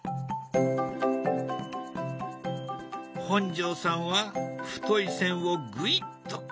本上さんは太い線をぐいっと。